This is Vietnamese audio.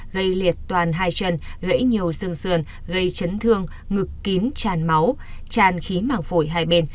gây liệt toàn hai chân gãy nhiều xương gây chấn thương ngực kín tràn máu tràn khí mảng phổi hai bên